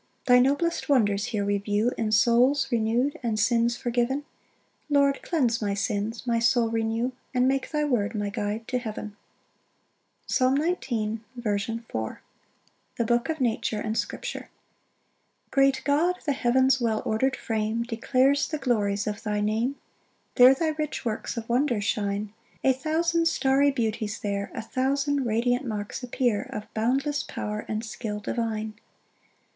6 Thy noblest wonders here we view In souls renew'd and sins forgiven: Lord, cleanse my sins, my soul renew, And make thy word my guide to heaven. Psalm 19:4. To the tune of the 113th Psalm. The book of nature and scripture. 1 Great God, the heaven's well order'd frame Declares the glories of thy name; There thy rich works of wonder shine: A thousand starry beauties there, A thousand radiant marks appear Of boundless power and skill divine.